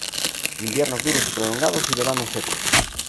Inviernos duros y prolongados y veranos secos.